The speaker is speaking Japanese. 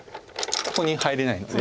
ここに入れないので。